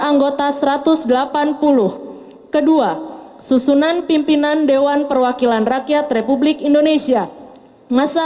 anggota satu ratus delapan puluh kedua susunan pimpinan dewan perwakilan rakyat republik indonesia masa